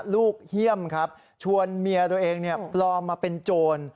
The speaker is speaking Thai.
ลูกเยี่ยมครับชวนเมียตัวเองเนี่ยปลอมาเป็นโจร